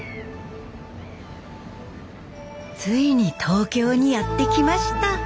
ついに東京にやって来ました。